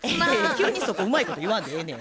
急にそこうまいこと言わんでええねや。